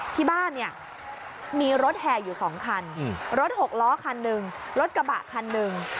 ที่บ้านเนี่ยมีรถแห่อยู่๒คันรถหกล้อคันหนึ่งรถกระบะคันหนึ่ง